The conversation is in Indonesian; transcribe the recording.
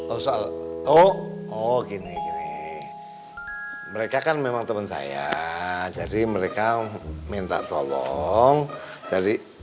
oh soal oh oh gini gini mereka kan memang teman saya jadi mereka minta tolong dari